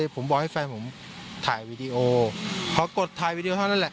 พี่หารี้